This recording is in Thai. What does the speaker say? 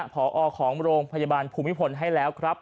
พอของโรงพยาบาลภูมิพลให้แล้วครับ